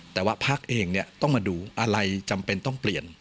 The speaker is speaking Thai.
แต่ว่าพักเองต้องมาดูอะไรจำเป็นต้องเปลี่ยน